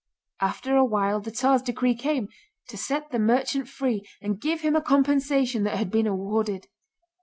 After a while the Tsar's decree came: to set the merchant free and give him a compensation that had been awarded.